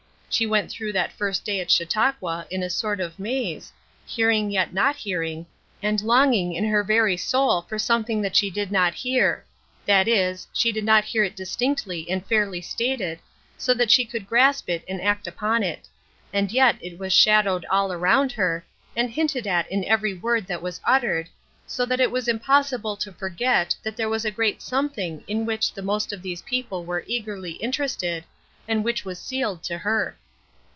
She went through that first day at Chautauqua in a sort of maze, hearing and yet not hearing, and longing in her very soul for something that she did not hear that is, she did not hear it distinctly and fairly stated, so that she could grasp it and act upon it; and yet it was shadowed all around her, and hinted at in every word that was uttered, so that it was impossible to forget that there was a great something in which the most of these people were eagerly interested, and which was sealed to her.